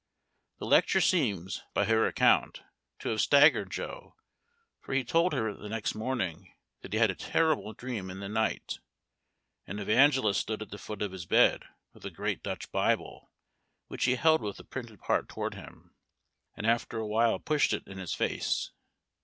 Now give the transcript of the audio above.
The lecture seems, by her account, to have staggered Joe, for he told her the next morning that he had had a terrible dream in the night. An Evangelist stood at the foot of his bed with a great Dutch Bible, which he held with the printed part toward him, and after a while pushed it in his face.